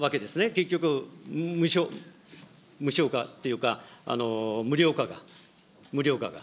結局、無償化というか、無料化が、無料化が。